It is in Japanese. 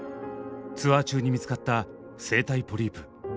ツアー中に見つかった声帯ポリープ。